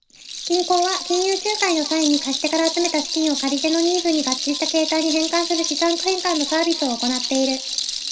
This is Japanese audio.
銀行は金融仲介の際に、貸し手から集めた資金を借り手のニーズに合致した形態に変換する資産変換のサービスを行っている。